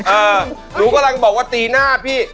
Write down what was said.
เออหนูกำลังบอกว่าตีหน้าพี่